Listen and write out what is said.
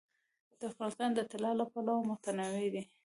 افغانستان د طلا له پلوه متنوع دی.